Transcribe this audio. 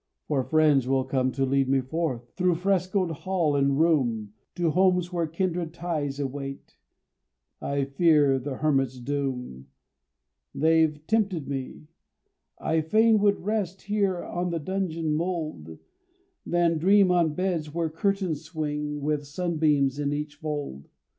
For friends will come to lead me forth, Through frescoed hall and room, To homes where kindred ties await; I fear the hermit's doom. They've tempted me I fain would rest Here on the dungeon mould, Than dream on beds where curtains swing With sunbeams in each fold.